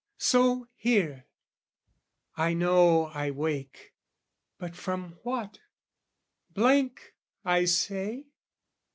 So here. I know I wake, but from what? Blank, I say!